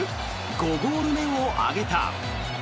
５ゴール目を挙げた。